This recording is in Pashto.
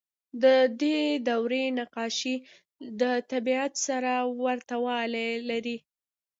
د دې دورې نقاشۍ له طبیعت سره ورته والی لري.